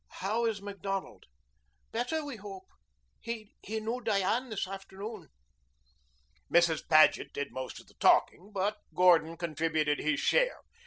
"How is Macdonald?" "Better, we hope. He knew Diane this afternoon." Mrs. Paget did most of the talking, but Gordon contributed his share.